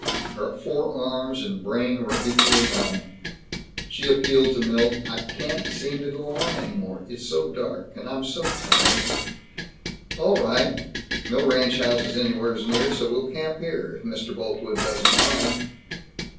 Her forearms and brain were equally numb. She appealed to Milt, "I can't seem to go on any more. It's so dark, and I'm so tired " "All right. No ranch houses anywheres near, so we'll camp here, if Mr. Boltwood doesn't mind."